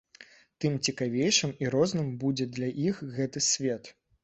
Тым цікавейшым і розным будзе для іх гэты свет.